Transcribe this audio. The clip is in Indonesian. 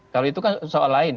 kalau itu kan soal lain